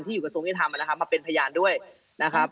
ที่อยู่กับสวงกิจภาพมาเป็นพยานด้วยนะครับ